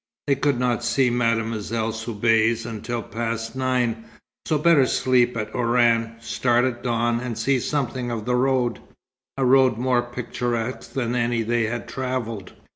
They could not see Mademoiselle Soubise until past nine, so better sleep at Oran, start at dawn, and see something of the road, a road more picturesque than any they had travelled.